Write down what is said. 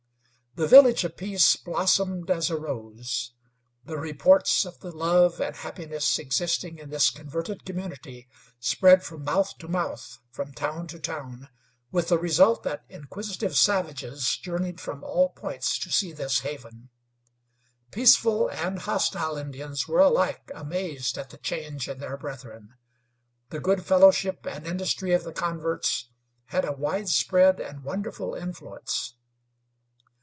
The Village of Peace blossomed as a rose. The reports of the love and happiness existing in this converted community spread from mouth to mouth, from town to town, with the result that inquisitive savages journeyed from all points to see this haven. Peaceful and hostile Indians were alike amazed at the change in their brethren. The good fellowship and industry of the converts had a widespread and wonderful influence.